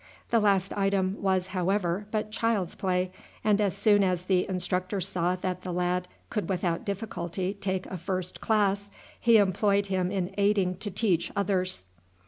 The last item was, however, but child's play, and as soon as the instructor saw that the lad could without difficulty take a first class, he employed him in aiding to teach others.